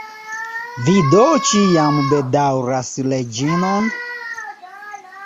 Vi do ĉiam bedaŭras Reĝinon?